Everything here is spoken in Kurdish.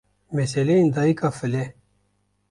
meseleyên Dayika File